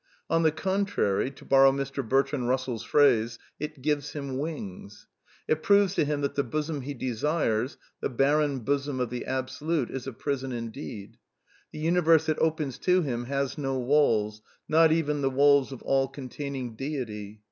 On the contrary, to borrow Mr. Bertrand Eussell's phrase, it " gives him wings." It proves to him that the bosom he desires, the barren bosom of the Absolute, is a prison indeed. The universe it opens to him has no walls, not even the walls of all containing deity.